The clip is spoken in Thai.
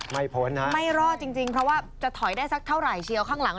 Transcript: พ้นนะไม่รอดจริงจริงเพราะว่าจะถอยได้สักเท่าไหร่เชียวข้างหลัง